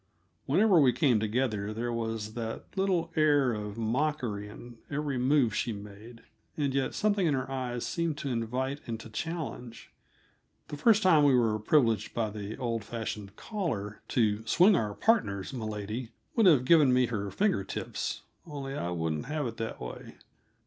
Whenever we came together there was that little air of mockery in every move she made, and yet something in her eyes seemed to invite and to challenge. The first time we were privileged, by the old fashioned "caller," to "swing our partners," milady would have given me her finger tips only I wouldn't have it that way.